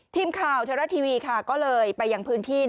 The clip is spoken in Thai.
ทีมข่าวเทวรัฐทีวีก็เลยไปยังพื้นที่